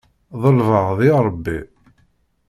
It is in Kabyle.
Ḍelbeɣ di Ṛebbi.